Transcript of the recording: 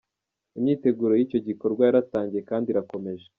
Imyiteguro y’icyo gikorwa yaratangiye kandi irakomeje.